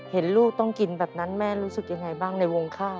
เห็นลูกต้องกินแบบนั้นแม่รู้สึกยังไงบ้างในวงข้าว